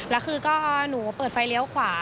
แล้วคือก็หนูเปิดไฟเลี้ยวขวา